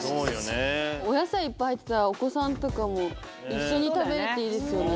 お野菜いっぱい入ってたらお子さんとかも一緒に食べれていいですよね。